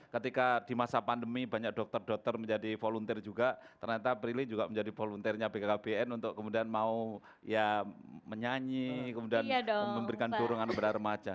ketika di masa pandemi banyak dokter dokter menjadi volunteer juga ternyata prilly juga menjadi volunteernya bkkbn untuk kemudian mau ya menyanyi kemudian memberikan dorongan kepada remaja